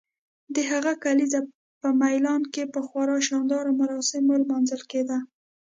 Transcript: د هغه کلیزه په میلان کې په خورا شاندارو مراسمو لمانځل کیده.